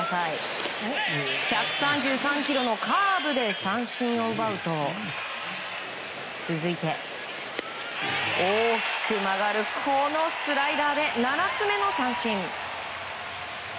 １３３キロのカーブで三振を奪うと続いて大きく曲がるスライダーで７つ目の三振。